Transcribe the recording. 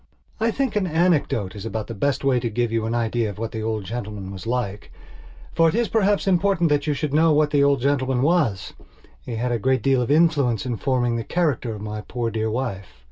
I think an anecdote is about the best way to give you an idea of what the old gentleman was like. For it is perhaps important that you should know what the old gentleman was; he had a great deal of influence in forming the character of my poor dear wife.